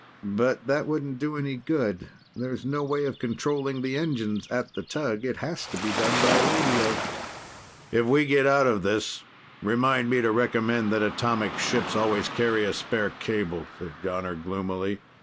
"But that wouldn't do any good. There's no way of controlling the engines, at the tug. It has to be done by radio." "If we get out of this, remind me to recommend that atomic ships always carry a spare cable," said Jonner gloomily.